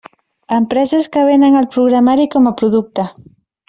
Empreses que venen el programari com a producte.